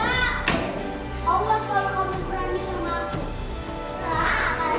allah selalu berani sama aku